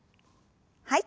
はい。